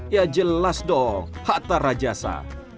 ya jelas dong hatta rajasa